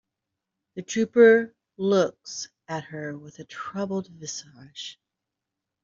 The trooper looks at her with a troubled visage.